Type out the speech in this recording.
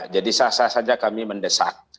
jadi sah sah saja kami mendesak